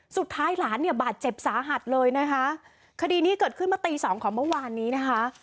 สุดท้ายหลานเนี่ยบาดเจ็บสาหัสเลยนะคะคดีนี้เกิดขึ้นมาตีสองของเมื่อวานนี้นะคะ